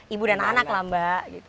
ibu dan anak lah mbak